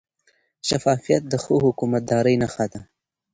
شفافیت د ښه حکومتدارۍ نښه ده.